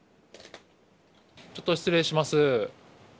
ちょっと失礼します。